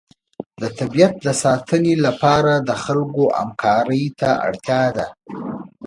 د طبیعت د ساتنې لپاره د خلکو همکارۍ ته اړتیا ده.